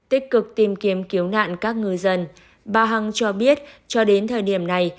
tích cực tìm kiếm cứu nạn các ngư dân bà hằng cho biết cho đến thời điểm này